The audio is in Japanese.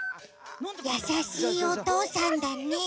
やさしいおとうさんだね。